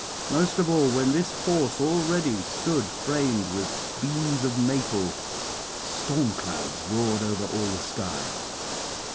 Most of all when this horse already stood framed with beams of maple, storm clouds roared over all the sky.